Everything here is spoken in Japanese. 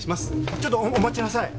ちょっとお待ちなさい。